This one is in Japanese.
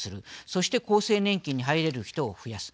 そして厚生年金に入れる人を増やす